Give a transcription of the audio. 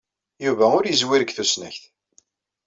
Yuba ur yeẓwir deg tusnakt.